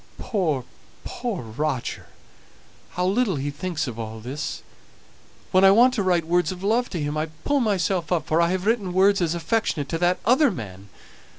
Poor, poor Roger! How little he thinks of all this! When I want to write words of love to him I pull myself up, for I have written words as affectionate to that other man.